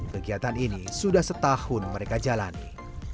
kegiatan ini sudah setahun mereka jalani